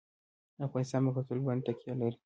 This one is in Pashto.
افغانستان په کلتور باندې تکیه لري.